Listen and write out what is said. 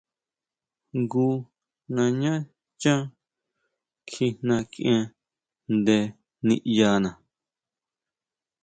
Jngu nañá chán kjijna kʼien nde niʼyana.